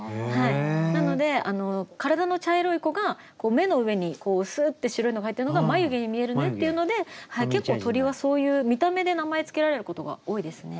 なので体の茶色い子が目の上にスーッて白いのが入ってるのが眉毛に見えるねっていうので結構鳥はそういう見た目で名前付けられることが多いですね。